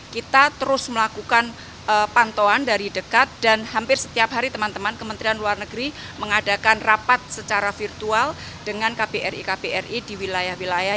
kita terus melakukan pantauan dari dekat dan hampir setiap hari teman teman kementerian luar negeri mengadakan rapat secara virtual dengan kbri kbri di wilayah wilayah